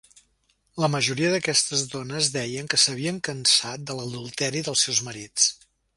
La majoria d'aquestes dones deien que s'havien cansat de l'adulteri dels seus marits.